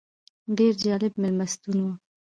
ډېر جالب مېلمستون و.